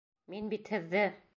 Мин бит һеҙҙе!..